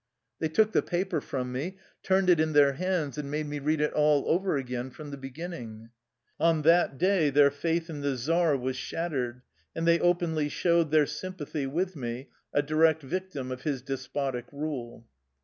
'' They took the paper from me, turned it in their hands, and made me read it all over again, from the beginning. On that day their faith in the czar was shattered, and they openly showed their sympathy with me, a direct victim of his despotic rule.